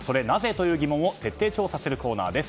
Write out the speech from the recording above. という疑問を徹底調査するコーナーです。